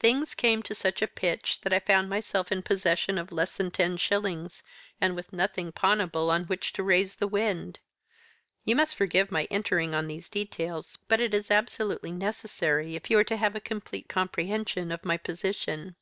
"Things came to such a pitch that I found myself in possession of less than ten shillings, and with nothing pawnable on which to raise the wind you must forgive my entering on these details, but it is absolutely necessary if you are to have a complete comprehension of my position.